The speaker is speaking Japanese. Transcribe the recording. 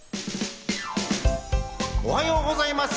おはようございます。